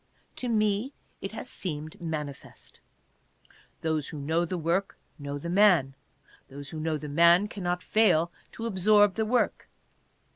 To me it has seemed manifest. Those who know the work know the man. Those who know the man cannot fail to absorb the work.